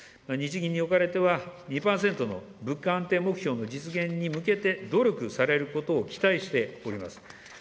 日銀におかれては、２％の物価安定目標の実現に向けて、努力されることを期待しております。